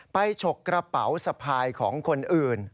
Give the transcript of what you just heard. ฉกกระเป๋าสะพายของคนอื่น